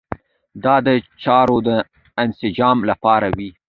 دا د چارو د انسجام لپاره وي.